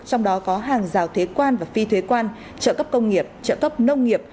trong đó có hàng rào thuế quan và phi thuế quan trợ cấp công nghiệp trợ cấp nông nghiệp